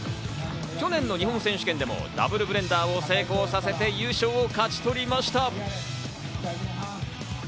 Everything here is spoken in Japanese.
去年の日本選手権でもダブルブレンダーを成功させて優勝を勝ち取りました。